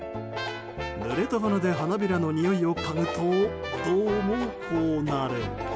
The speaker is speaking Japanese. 濡れた鼻で花びらの匂いをかぐとどうもこうなる。